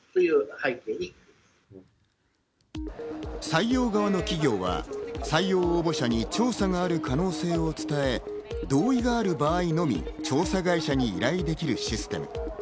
採用側の企業は採用応募者に調査がある可能性を伝え、同意がある場合のみ調査会社に依頼できるシステム。